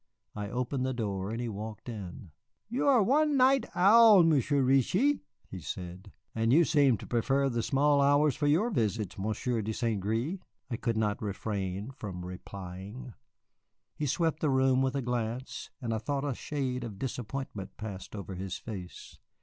I opened the door, and he walked in. "You are one night owl, Monsieur Reetchie," he said. "And you seem to prefer the small hours for your visits, Monsieur de St. Gré," I could not refrain from replying. He swept the room with a glance, and I thought a shade of disappointment passed over his face.